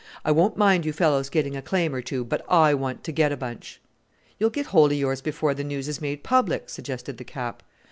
I won't mind you fellows getting a claim or two; but I want to get a bunch." "You'll get hold of yours before the news is made public," suggested the Cap.